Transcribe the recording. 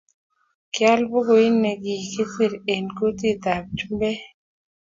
Ki aal bukuit ne ki kisir eng kutit ab chumbek